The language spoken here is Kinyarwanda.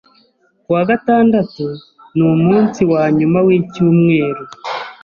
Ku wa gatandatu ni umunsi wanyuma wicyumweru.